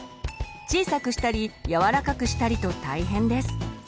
小さくしたり柔らかくしたりと大変です。